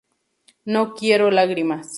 No quiero lágrimas.